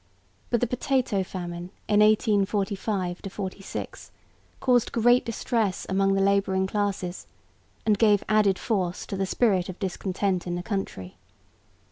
But the potato famine in 1845 46 caused great distress among the labouring classes, and gave added force to the spirit of discontent in the country.